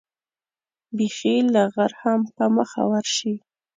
بېخي که غر هم په مخه ورشي.